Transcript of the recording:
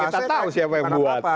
kita tahu siapa yang buat